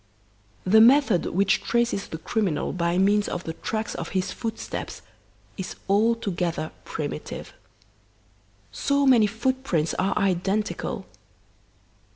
"The method which traces the criminal by means of the tracks of his footsteps is altogether primitive. So many footprints are identical.